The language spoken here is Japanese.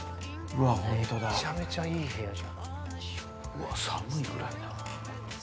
うわっ寒いぐらい。